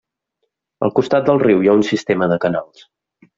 Al costat del riu hi ha un sistema de canals.